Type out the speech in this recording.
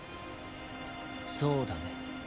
そうだね。